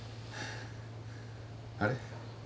あれ？